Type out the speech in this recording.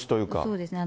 そうですね。